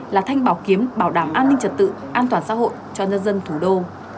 là thanh bảo kiếm bảo đảm an ninh trật tự an toàn xã hội cho nhân dân thủ đô